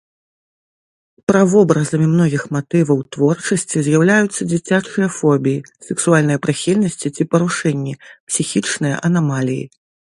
Правобразамі многіх матываў творчасці з'яўляюцца дзіцячыя фобіі, сэксуальныя прыхільнасці ці парушэнні, псіхічныя анамаліі.